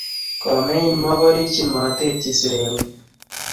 Komein mo korichin mateityi sirengung